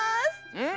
うん。